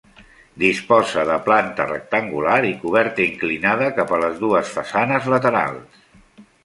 Disposa de planta rectangular i coberta inclinada cap a les dues façanes laterals.